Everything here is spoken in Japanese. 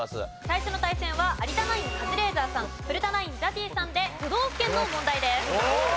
最初の対戦は有田ナインカズレーザーさん古田ナインＺＡＺＹさんで都道府県の問題です。